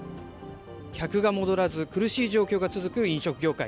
客が戻らず、苦しい状況が続く飲食業界。